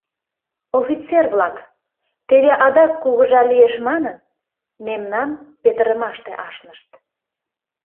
Офицер-влак, «теве адак кугыжа лиеш» манын, мемнам петырымаште ашнышт.